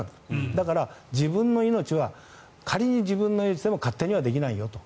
だから、自分の命は仮に自分の命でも勝手にできないよと。